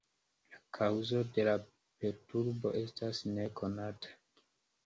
La kaŭzo de la perturbo estas nekonata.